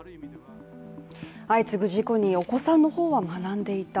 相次ぐ事故にお子さんの方は学んでいた。